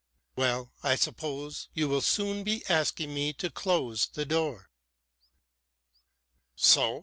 "Well, I suppose you will soon be asking me to close the door?" "So?